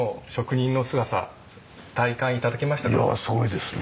いやぁすごいですね。